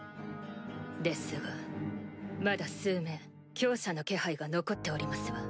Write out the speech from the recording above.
ですがまだ数名強者の気配が残っておりますわ。